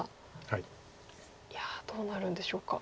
いやどうなるんでしょうか。